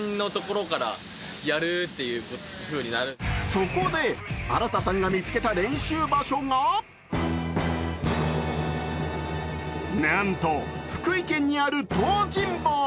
そこで、荒田さんが見つけた練習場所がなんと、福井県にある東尋坊。